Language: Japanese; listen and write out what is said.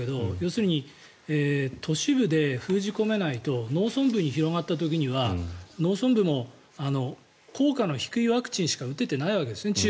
先週金曜日もお伝えしましたが都市部で封じ込めないと農村部に広がった時には農村部も効果の低いワクチンしか打てていないわけですね。